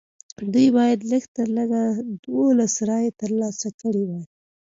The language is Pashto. دوی باید لږ تر لږه دولس رایې ترلاسه کړې وای.